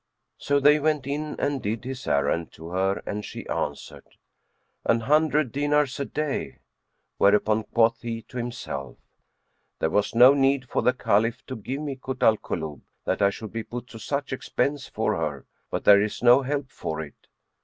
'" So they went in and did his errand to her, and she answered, "An hundred dinars a day;" whereupon quoth he to himself, "There was no need for the Caliph to give me Kut al Kulub, that I should be put to such expense for her; but there is no help for it."